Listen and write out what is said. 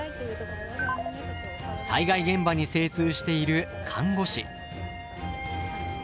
災害現場に精通している看護師。